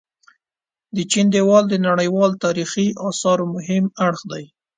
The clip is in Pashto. د چين ديوال د نړيوال تاريخي اثارو مهم اړخ دي.